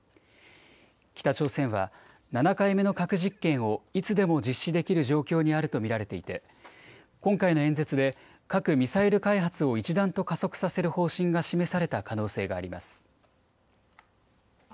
北朝鮮は７回目の核実験をいつでも実施できる状況にあると見られていて今回の演説で核・ミサイル開発を一段と加速させる方針が示された可能性があります。